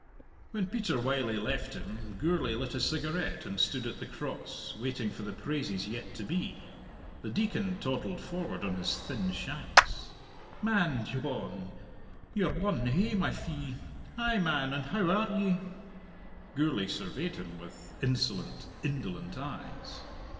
When Peter Wylie left him Gourlay lit a cigarette and stood at the Cross, waiting for the praises yet to be. The Deacon toddled forward on his thin shanks. "Man Dyohn, you're won hame, I thee. Ay, man! And how are ye?" Gourlay surveyed him with insolent, indolent eyes.